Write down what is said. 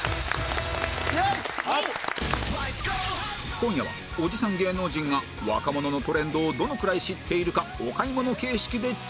今夜はおじさん芸能人が若者のトレンドをどのくらい知っているかお買い物形式でチェック